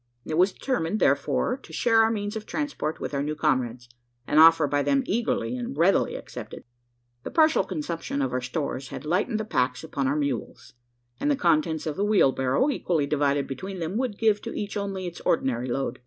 It was determined, therefore, to share our means of transport with our new comrades an offer by them eagerly and readily accepted. The partial consumption of our stores had lightened the packs upon our mules; and the contents of the wheelbarrow, equally divided between them, would give to each only its ordinary load.